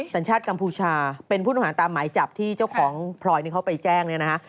สัญชาติกัมพูชาเป็นผู้ต้องหาตามหมายจับที่เจ้าของพลอยเขาไปแจ้งเนี่ยนะฮะ